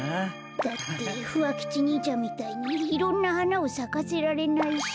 だってふわ吉にいちゃんみたいにいろんなはなをさかせられないし。